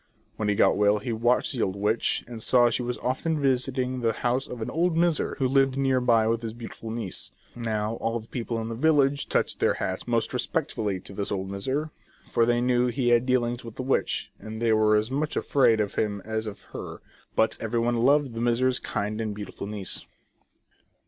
When he got well he watched the old witch, and saw she often visited the house of an old miser who lived near by with his beautiful niece. Now all the people in the village touched their hats most respect fully to this old miser, for they knew he had dealings with the witch, and they were as much afraid of him as of her ; but everyone loved the miser's kind and beautiful niece.